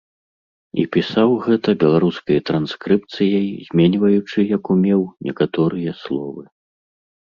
І пісаў гэта беларускай транскрыпцыяй, зменьваючы, як умеў, некаторыя словы.